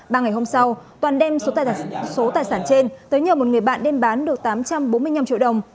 ba ngày hôm sau toàn đem số tài sản trên tới nhờ một người bạn đem bán được tám trăm bốn mươi năm triệu đồng